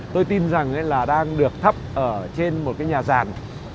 tôi tin rằng đang được thắp trên một nhà ràn